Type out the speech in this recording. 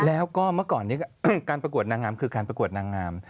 แล้วก็เมื่อก่อนนี้การประกวดนางงามคือการประกวดนางงาม